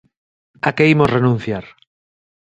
A que imos renunciar?